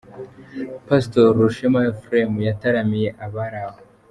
Pastor Rushema Ephrem yataramiye abari aho.